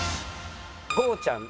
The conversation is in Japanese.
ゴーちゃん。